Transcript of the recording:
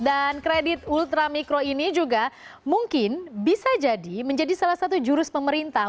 dan kredit ultramikro ini juga mungkin bisa jadi menjadi salah satu jurus pemerintah